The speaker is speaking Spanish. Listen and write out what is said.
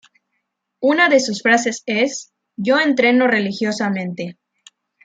Una de sus frases es: "Yo entreno religiosamente.